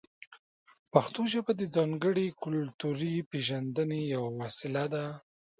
پښتو ژبه د ځانګړې کلتوري پېژندنې یوه وسیله ده.